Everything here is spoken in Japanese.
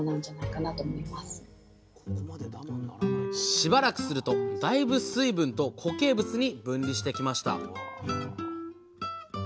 しばらくするとだいぶ水分と固形物に分離してきました